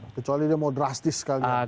apakah itu terjadi dengan proses yang drastis